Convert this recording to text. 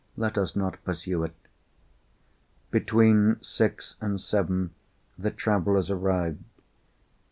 Let us not pursue it. Between six and seven the travellers arrived.